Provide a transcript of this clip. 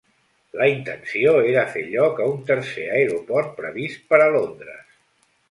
La intenció era fer lloc a un tercer aeroport previst per a Londres.